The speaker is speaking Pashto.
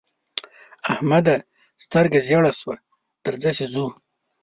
احمده! سترګه ژړه شوه؛ درځه چې ځو.